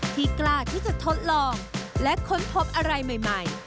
กล้าที่จะทดลองและค้นพบอะไรใหม่